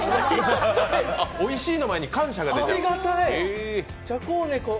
おいしいの前に感謝が出ちゃう？